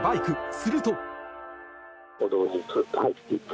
すると。